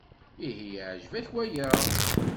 Ihi yeɛjeb-ak waya?